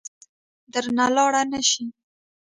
پلاره بس درنه لاړ نه شې.